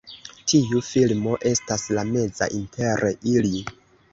Tiu filmo estas la meza inter ili.